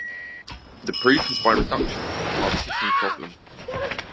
The proof is by reduction from partition problem.